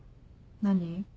何？